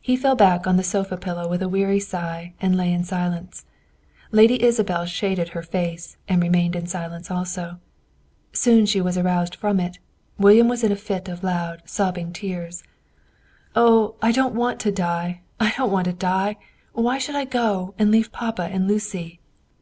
He fell back on the sofa pillow with a weary sigh, and lay in silence. Lady Isabel shaded her face, and remained in silence also. Soon she was aroused from it; William was in a fit of loud, sobbing tears. "Oh, I don't want to die! I don't want to die! Why should I go and leave papa and Lucy?"